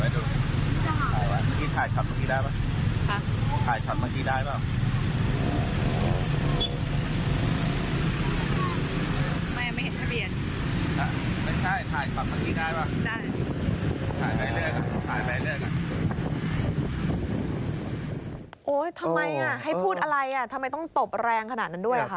ทำไมให้พูดอะไรอ่ะทำไมต้องตบแรงขนาดนั้นด้วยค่ะ